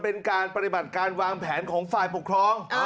เป็นการปฏิบัติการวางแผนของฝ่ายปกครอง